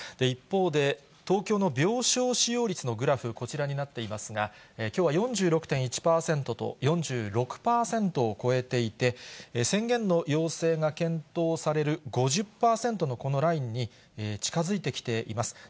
一方で、東京の病床使用率のグラフ、こちらになっていますが、きょうは４６．１％と、４６％を超えていて、宣言の要請が検討される５０％のこのラインに近づいてきています。